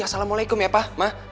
assalamualaikum ya pak ma